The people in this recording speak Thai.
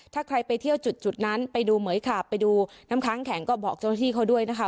ถ้าใครไปเที่ยวจุดนั้นไปดูเหมือยขาบไปดูน้ำค้างแข็งก็บอกเจ้าหน้าที่เขาด้วยนะคะ